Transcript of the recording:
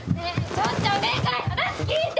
ちょっとお願い話聞いて！